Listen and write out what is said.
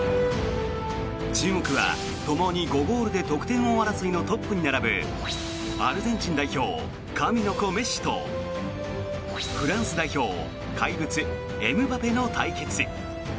注目はともに５ゴールで得点王争いに並ぶアルゼンチン代表神の子、メッシとフランス代表怪物、エムバペの対決。